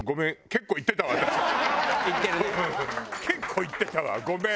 結構行ってたわごめん。